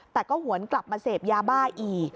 แต่ก็หวนกลับมาเสพยาบ้าอีก